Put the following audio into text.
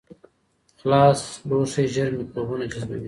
خلاص لوښي ژر میکروبونه جذبوي.